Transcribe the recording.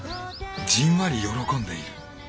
じんわり喜んでいる。